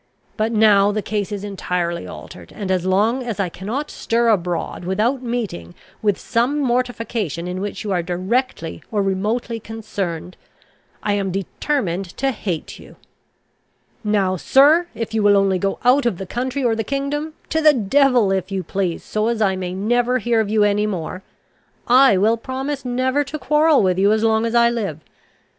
But now the case is entirely altered; and, as long as I cannot stir abroad without meeting with some mortification in which you are directly or remotely concerned, I am determined to hate you. Now, sir, if you will only go out of the county or the kingdom, to the devil if you please, so as I may never hear of you any more, I will promise never to quarrel with you as long as I live.